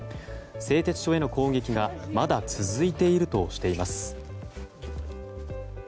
製鉄所への攻撃がまだ続いているとしています。